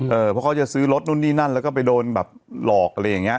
เพราะเขาจะซื้อรถนู่นนี่นั่นแล้วก็ไปโดนแบบหลอกอะไรอย่างนี้